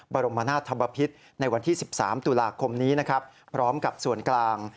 บรมนาธบพิษในวันที่๑๓ตุลาคมนี้นะครับพร้อมกับส่วนกลาง